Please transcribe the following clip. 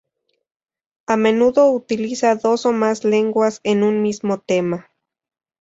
A menudo utiliza dos o más lenguas en un mismo tema.